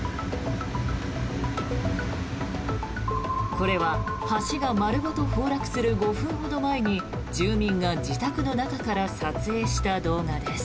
これは橋が丸ごと崩落する５分ほど前に住民が自宅の中から撮影した動画です。